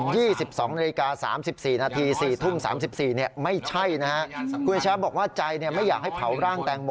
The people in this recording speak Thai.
ด้านหน้าของเรือ